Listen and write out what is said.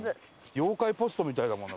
妖怪ポストみたいだもんな。